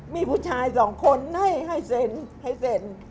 มีผู้ชายสองคนให้ให้เซ็นต์